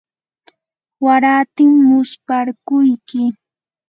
waratim musparquyki.